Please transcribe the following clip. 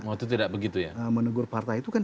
waktu itu tidak begitu ya menegur partai itu kan